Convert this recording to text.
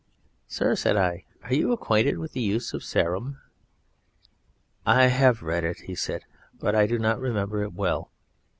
"Sir," said I, "are you acquainted with the Use of Sarum?" "I have read it," he said, "but I do not remember it well."